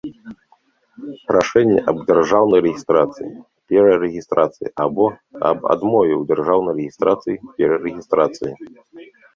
Рашэнне аб дзяржаўнай рэгiстрацыi, перарэгiстрацыi або аб адмове ў дзяржаўнай рэгiстрацыi, перарэгiстрацыi.